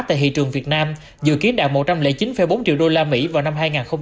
tại thị trường việt nam dự kiến đạt một trăm linh chín bốn triệu đô la mỹ vào năm hai nghìn hai mươi ba